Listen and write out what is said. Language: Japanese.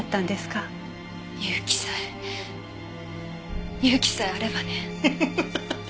勇気さえ勇気さえあればね。